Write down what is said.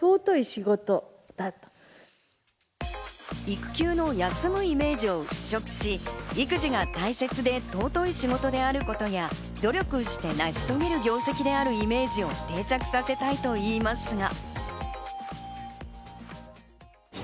育休の休むイメージを払拭し、育児が大切で尊い仕事であることや、努力して成し遂げる業績であるイメージを定着させたいと言いますが。